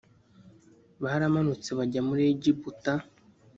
baramanutse bajya muri egiputa.